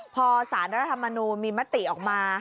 พอศาลรธรรมนุมีมะติออกมา